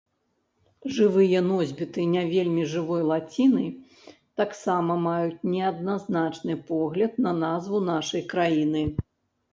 Жывыя носьбіты не вельмі жывой лаціны таксама маюць неадназначны погляд на назву нашай краіны.